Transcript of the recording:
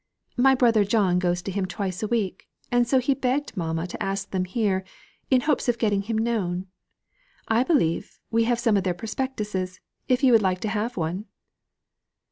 My brother John goes to him twice a week, and so he begged mamma to ask them here, in hopes of getting him known. I believe we have some of their prospectuses, if you would like to have one."